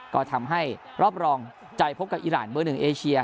ก็ทำให้รอบรองใจพบกับอีรานเบอร์๑เอเชีย